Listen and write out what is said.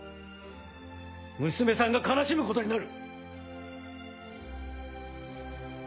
娘さんが悲しむことになる！